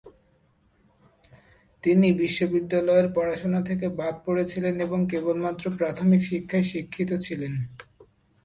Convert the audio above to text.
তিনি বিদ্যালয়ের পড়াশুনা থেকে বাদ পড়েছিলেন এবং কেবলমাত্র প্রাথমিক শিক্ষায় শিক্ষিত ছিলেন।